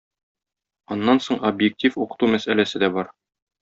Аннан соң объектив укыту мәсьәләсе дә бар.